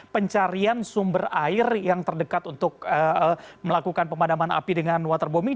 pencarian sumber air yang terdekat untuk melakukan pemadaman api dengan waterbombing